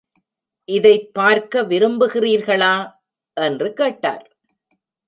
இதைப் பார்க்க விரும்புகிறீர்களா? என்று கேட்டார்.